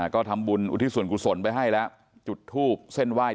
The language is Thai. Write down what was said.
ก็ทำบุญอุทิศส่วนกุศลไปให้แล้วจุดทูบเส้นไหว้